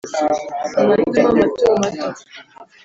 amatama mato mato